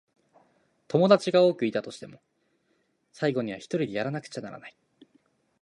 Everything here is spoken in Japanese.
友達が多くいたとしても、最後にはひとりでやらなくちゃならない。